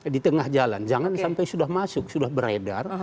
di tengah jalan jangan sampai sudah masuk sudah beredar